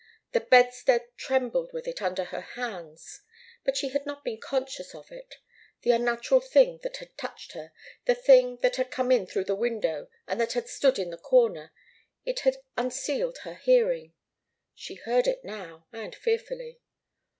The bedstead trembled with it under her hands. But she had not been conscious of it. The unnatural thing that had touched her the thing that had come in through the window and that had stood in the corner it had unsealed her hearing. She heard now, and fearfully.